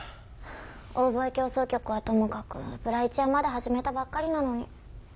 『オーボエ協奏曲』はともかく『ブラ１』はまだ始めたばっかりなのに。